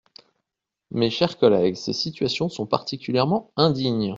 Mes chers collègues, ces situations sont particulièrement indignes.